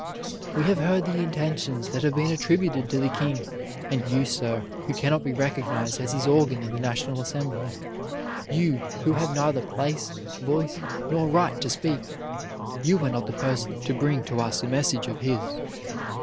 "We have heard the intentions that have been attributed to the king; and you, sir, who cannot be recognized as his organ in the National Assembly, you, who have neither place, voice, nor right to speak, you are not the person to bring to us a message of his.